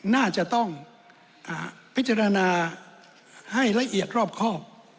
น่าจะต้องพิจารณาให้ละเอียดรอบครอบ